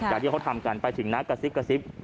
จากที่เขาทำกันไปถึงนักกระซิบ